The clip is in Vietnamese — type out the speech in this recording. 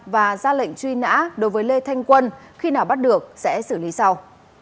và ra lệnh truy nã đối với lê thanh quân khi nào bắt được sẽ xử lý sau